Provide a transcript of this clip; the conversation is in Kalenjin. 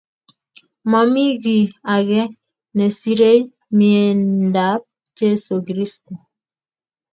Momi kiy ake nesirei miendap Jeso Kristo